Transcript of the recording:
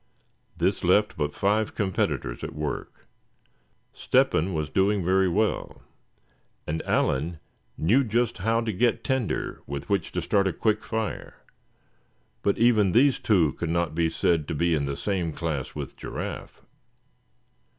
This left but five competitors at work. Step hen was doing very well, and Allan knew just how to get tinder with which to start a quick fire; but even these two could not be said to be in the same class with Giraffe.